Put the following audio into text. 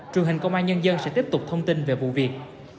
truyền hình công an nhân dân sẽ tiếp tục thông tin về vụ việc